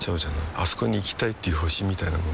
あそこに行きたいっていう星みたいなもんでさ